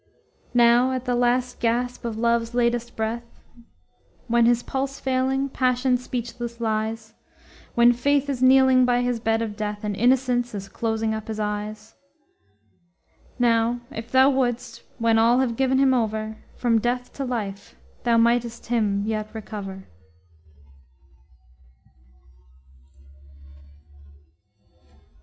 Now at the last gasp of Love's latest breath, When, his pulse failing, Passion speechless lies, When Faith is kneeling by his bed of death, And Innocence is closing up his eyes, Now, if thou wouldst, when all have giv'n him over, From death to life thou might'st him yet recover.